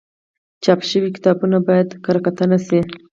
چاپ شوي کتابونه باید کره کتنه شي.